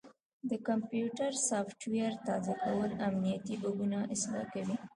د کمپیوټر سافټویر تازه کول امنیتي بګونه اصلاح کوي.